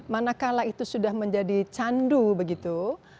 manakala itu sudah menjadi candu begitu